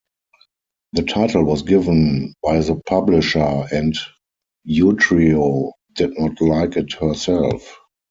The title was given by the publisher, and Utrio did not like it herself.